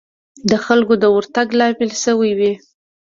د خلکو د ورتګ لامل شوې وي.